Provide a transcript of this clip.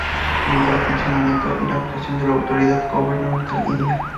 Lidera el funcionamiento y la actuación de la autoridad gubernamental india.